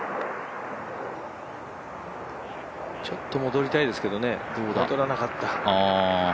ちょっと戻りたいですけど、戻らなかった。